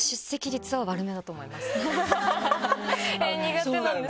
苦手なんです。